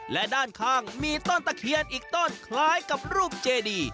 และด้านข้างมีต้นตะเคียนอีกต้นคล้ายกับรูปเจดี